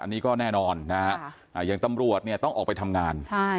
อันนี้ก็แน่นอนยังตำรวบเนี่ยต้องออกไปทำงาน